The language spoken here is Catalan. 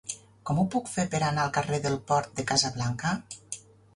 Com ho puc fer per anar al carrer del Port de Casablanca?